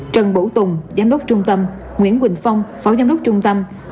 trần bổ tùng giám đốc trung tâm nguyễn quỳnh phong phó giám đốc trung tâm